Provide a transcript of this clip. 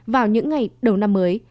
vào những ngày đầu năm mới